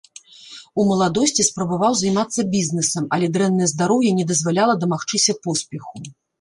У маладосці спрабаваў займацца бізнесам, але дрэннае здароўе не дазваляла дамагчыся поспеху.